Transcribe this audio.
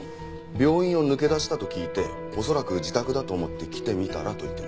病院を抜け出したと聞いて恐らく自宅だと思って来てみたらと言ってます。